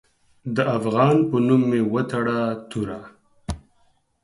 د افغان په نوم مې وتړه توره